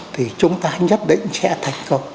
thì chúng ta nhất định sẽ thành công